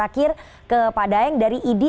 kepada anda dari ini